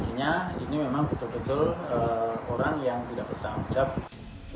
artinya ini memang betul betul orang yang tidak bertanggung jawab